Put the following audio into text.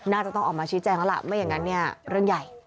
น่าจะต้องออกมาชี้แจงแล้วล่ะไม่อย่างนั้นเนี่ยเรื่องใหญ่